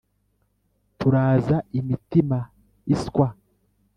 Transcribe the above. turaza imitima iswa